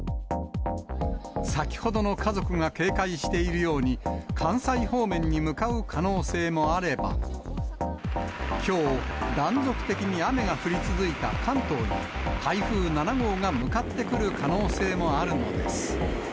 先ほどの家族が警戒しているように、関西方面に向かう可能性もあれば、きょう、断続的に雨が降り続いた関東に、台風７号が向かってくる可能性もあるのです。